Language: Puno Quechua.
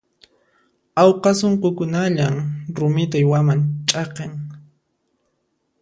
Awqa sunqukunalla rumita uywaman ch'aqin.